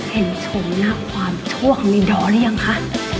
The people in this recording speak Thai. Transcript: เห็นโฉมหน้าความชั่วของนิดด่อแล้วยังค่ะ